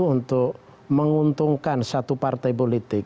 untuk menguntungkan satu partai politik